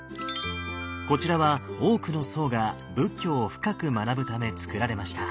こちらは多くの僧が仏教を深く学ぶため造られました。